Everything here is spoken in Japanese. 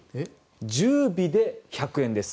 １０尾で１００円です。